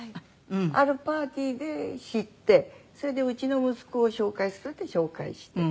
あるパーティーで知ってそれでうちの息子を紹介するって紹介して。